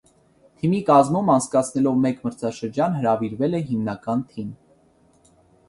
Թիմի կազմում անցկացնելով մեկ մրցաշրջան հրավիրվել է հիմնական թիմ։